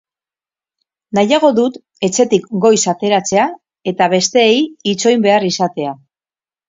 Nahiago dut etxetik goiz ateratzea eta besteei itxoin behar izatea.